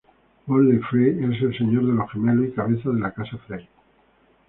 Walder Frey es el Señor de Los Gemelos y cabeza de la Casa Frey.